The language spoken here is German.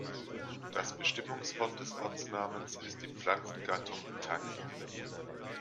Das Bestimmungswort des Ortsnamens ist die Pflanzengattung Tanne.